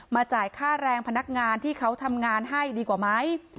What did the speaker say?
จ่ายค่าแรงพนักงานที่เขาทำงานให้ดีกว่าไหม